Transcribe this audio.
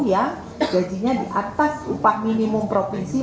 yang gajinya di atas upah minimum provinsi